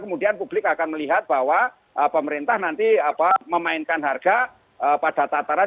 kemudian publik akan melihat bahwa pemerintah nanti memainkan harga pada tataran